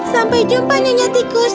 sampai jumpa nyonya tikus